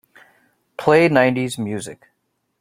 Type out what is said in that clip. Play nineties music.